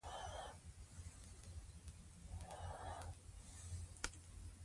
ګور د مرغانو يو دم الوتو ته وايي.